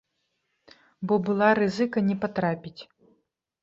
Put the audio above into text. Бо была рызыка не патрапіць.